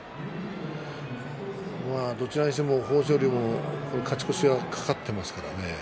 どちらにしても豊昇龍も勝ち越しが懸かっています。